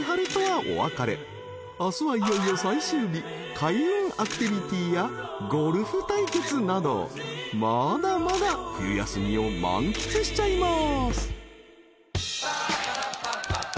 ［開運アクティビティやゴルフ対決などまだまだ冬休みを満喫しちゃいます］